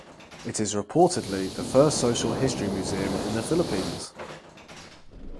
It is reportedly the first social history museum in the Philippines.